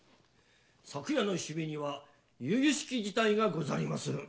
昨夜の首尾にはゆゆしき事態がござりまする。